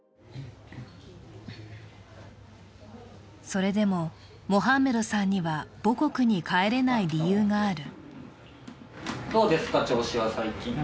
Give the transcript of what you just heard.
それでもモハンメドさんには母国に帰れない理由がある。